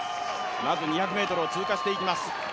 まず２００ｍを通過していきます。